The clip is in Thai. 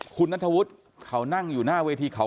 คุณนัทธวุฒิเขานั่งอยู่หน้าเวทีเขา